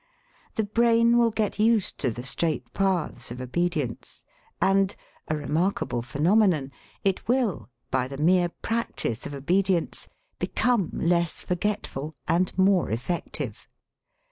The brain will get used to the straight paths of obedience. And a remarkable phenomenon it will, by the mere practice of obedience, become less forgetful and more effective.